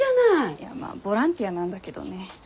いやまあボランティアなんだけどね。